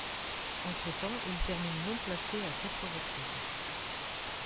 Entre-temps, il termine non placé à quatre reprises.